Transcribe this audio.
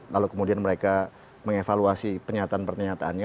lalu kemudian mereka mengevaluasi pernyataan pernyataannya